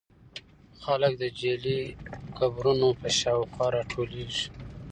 خلک د جعلي قبرونو په شاوخوا راټولېږي.